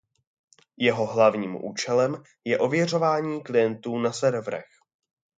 Jeho hlavním účelem je ověřování klientů na serverech.